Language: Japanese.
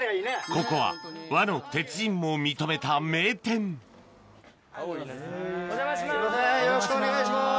ここは和の鉄人も認めた名店お邪魔します。